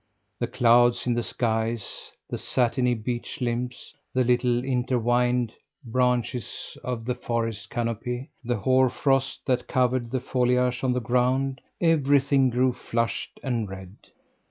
The clouds in the skies; the satiny beech limbs; the little intertwined branches of the forest canopy; the hoar frost that covered the foliage on the ground everything grew flushed and red.